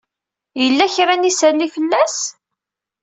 Yella kra n yisali fell-as?